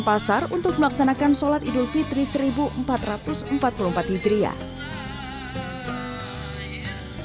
pasar untuk melaksanakan sholat idul fitri seribu empat ratus empat puluh empat hijriah